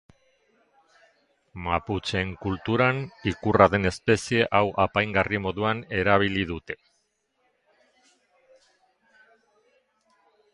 Maputxeen kulturan ikurra den espezie hau apaingarri moduan erabili dute.